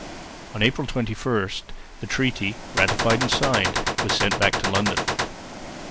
On April 23 the treaty ratified and signed was sent back to London.